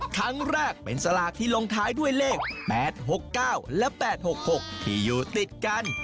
ครั้งแรกเป็นสลากที่ลงท้ายด้วยเลข๘๖๙และ๘๖๖ที่อยู่ติดกัน